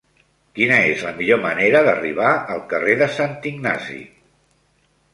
Quina és la millor manera d'arribar al carrer de Sant Ignasi?